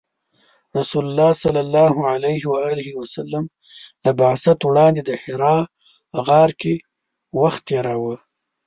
رسول الله ﷺ له بعثت وړاندې د حرا غار کې وخت تیراوه .